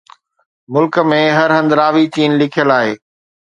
ملڪ ۾ هر هنڌ راوي چين لکيل آهي.